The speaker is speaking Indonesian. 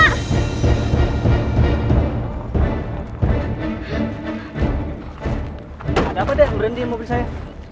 ada apa deh yang merendih mobil saya